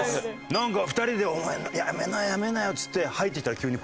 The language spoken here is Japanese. なんか２人でやめなやめなよっつって入ってきたら急に。